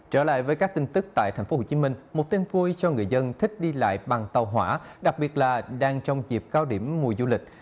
trở lại với các tin tức tại tp hcm một tin vui cho người dân thích đi lại bằng tàu hỏa đặc biệt là đang trong dịp cao điểm mùa du lịch